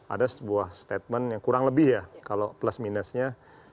ada sebuah statement yang kurang lebih ya kalau plus minusnya